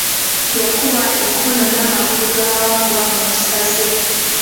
Yakuba emikono n'amagulu ga Wambwa mu busaze.